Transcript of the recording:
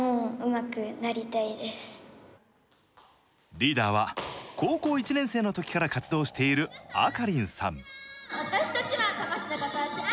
リーダーは高校１年生のときから活動しているａｋａｒｉｎさん。